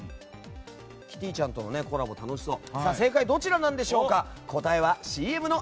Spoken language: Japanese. キティちゃんとのコラボおもしろそう。